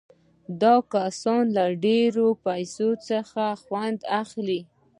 دا کسان له ډېرو پیسو څخه ډېر خوند اخلي